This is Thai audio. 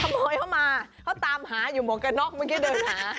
ขโมยเข้ามาเขาตามหาอยู่หมวกกระน็อกเมื่อกี้เดินหา